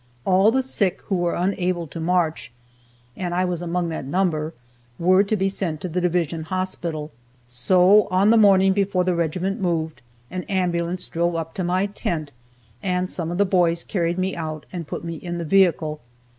All the sick who were unable to march (and I was among that number) were to be sent to the Division Hospital. So, on the morning before the regiment moved, an ambulance drove up to my tent, and some of the boys carried me out and put me in the vehicle.